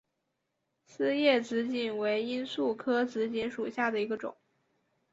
丝叶紫堇为罂粟科紫堇属下的一个种。